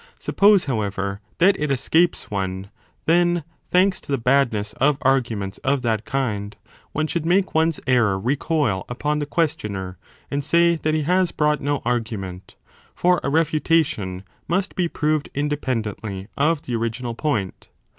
Suppose, however, that it escapes one, then, thanks to the badness of arguments of that kind, one should make one s error recoil upon the questioner, and say that he has brought no argument : for a refutation must be proved independently of the original point.